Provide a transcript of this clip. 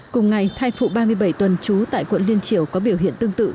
cùng ngày thai phụ ba mươi bảy tuần trú tại quận liên triều có biểu hiện tương tự